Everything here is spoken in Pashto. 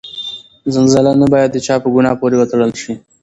زلزله نه باید د چا په ګناه پورې وتړل شي.